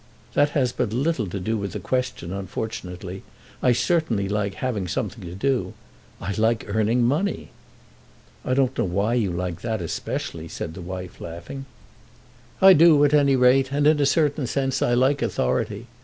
"That has but little to do with the question, unfortunately. I certainly like having something to do. I like earning money." "I don't know why you like that especially," said the wife, laughing. "I do at any rate, and, in a certain sense, I like authority.